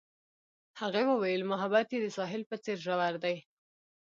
هغې وویل محبت یې د ساحل په څېر ژور دی.